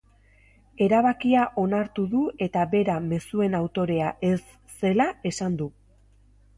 Erabakia onartu du eta bera mezuen autorea ez zela esan du.